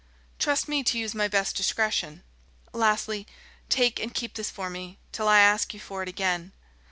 "Trust me to use my best discretion." "Lastly ... take and keep this for me, till I ask you for it again.